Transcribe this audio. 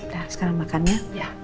sekarang makan ya